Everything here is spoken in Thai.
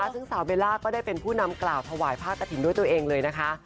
ซึ่งสาวเบลล่าก็ได้เป็นผู้นำกล่าวถวายผ้ากระถิ่นด้วยตัวเองเลยนะคะ